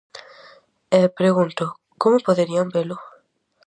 E, pregunto, como poderían velo?